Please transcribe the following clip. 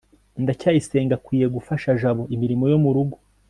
ndacyayisenga akwiye gufasha jabo imirimo yo murugo